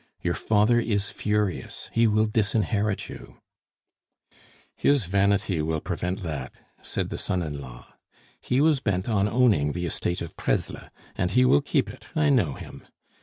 Your father is furious; he will disinherit you " "His vanity will prevent that," said the son in law. "He was bent on owning the estate of Presles, and he will keep it; I know him.